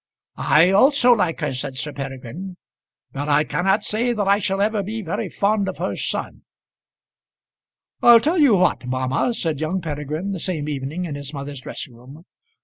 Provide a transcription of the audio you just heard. "I also like her," said Sir Peregrine; "but I cannot say that I shall ever be very fond of her son." "I'll tell you what, mamma," said young Peregrine, the same evening in his mother's dressing room.